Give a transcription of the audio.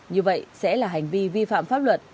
như vậy sẽ là hành vi vi phạm pháp luật